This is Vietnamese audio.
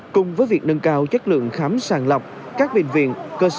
cùng với việc nâng cao chất lượng khám sàng lọc các bệnh viện cơ sở